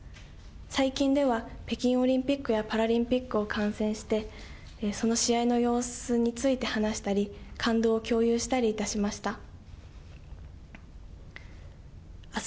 最近では、北京オリンピックやパラリンピックを観戦して、その試合の様子について話したり、感動を共有したりいたしました。